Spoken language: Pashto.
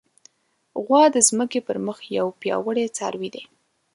غوا د ځمکې پر مخ یو پیاوړی څاروی دی.